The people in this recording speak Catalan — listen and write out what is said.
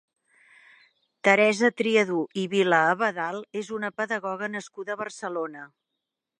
Teresa Triadú i Vila-Abadal és una pedagoga nascuda a Barcelona.